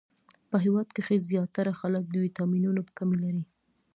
په هیواد کښی ځیاتره خلک د ويټامنونو کمې لری